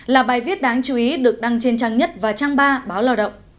là bài viết đáng chú ý được đăng trên trang nhất và trang ba báo lao động